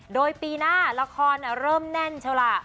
โดยปีหน้าละครเริ่มแน่นใช่ล่ะ